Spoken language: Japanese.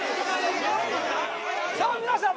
さあ皆さん